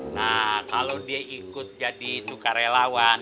nah kalau dia ikut jadi sukarelawan